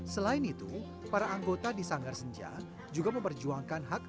selain itu para anggota di sanggar senja juga memperjuangkan hak atas kebutuhan anak anak